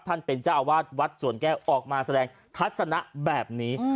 ท่านเป็นเจ้าอาวาสวัดสวนแก้วออกมาแสดงทัศนะแบบนี้